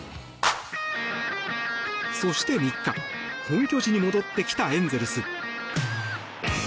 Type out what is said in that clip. そして３日本拠地に戻ってきたエンゼルス。